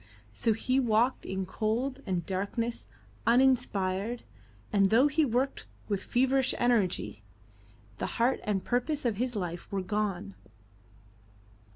So he walked in cold and darkness, uninspired, and though he worked with feverish energy, the heart and purpose of his life were gone.